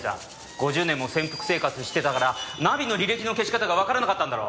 ５０年も潜伏生活してたからナビの履歴の消し方がわからなかったんだろう。